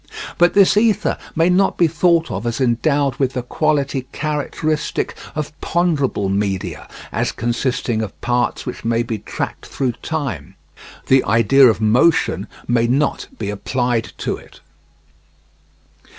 But this ether may not be thought of as endowed with the quality characteristic of ponderable media, as consisting of parts which may be tracked through time. The idea of motion may not be applied to it.